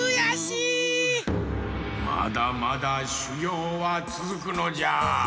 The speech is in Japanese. まだまだしゅぎょうはつづくのじゃ。